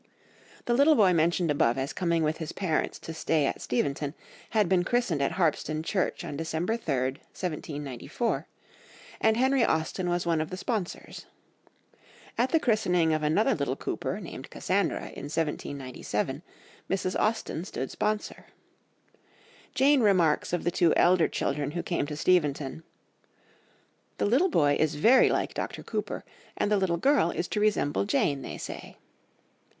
The little boy mentioned above as coming with his parents to stay at Steventon, had been christened at Harpsden Church on December 3, 1794, and Henry Austen was one of the sponsors. At the christening of another little Cooper, named Cassandra, in 1797, Mrs. Austen stood sponsor. Jane remarks of the two elder children who came to Steventon, "the little boy is very like Dr. Cooper, and the little girl is to resemble Jane, they say."